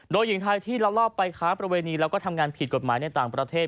โดยหญิงไทยที่ลักลอบไปค้าประเวณีแล้วก็ทำงานผิดกฎหมายในต่างประเทศ